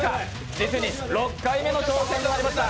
実に６回目の挑戦となりました。